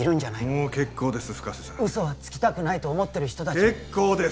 もう結構です嘘はつきたくないと思ってる人も結構です